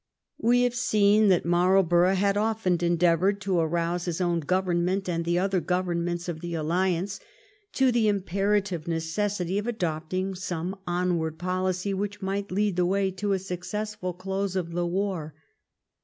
We have seen that Marlborough had often endeavored to arouse his own government and the other governments of the alliance to the imperative neces sity of adopting some onward policy which might lead the way to a successful close of the war.